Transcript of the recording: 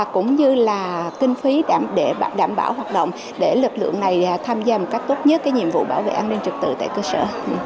cũng như là kinh phí để đảm bảo hoạt động để lực lượng này tham gia một cách tốt nhất cái nhiệm vụ bảo vệ an ninh trực tự tại cơ sở